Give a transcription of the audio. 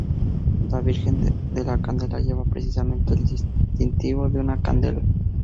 La Virgen de la Candela lleva precisamente el distintivo de una candela.